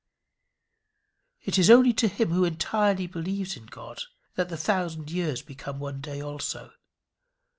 It is only to him who entirely believes in God that the thousand years become one day also.